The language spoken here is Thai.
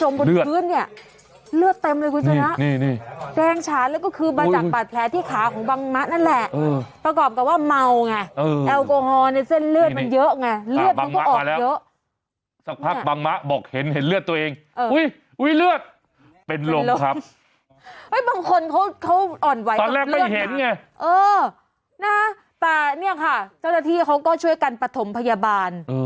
เนี่ยค่ะเจ้าท่านที่เขาก็ช่วยกันปฐมพยาบาล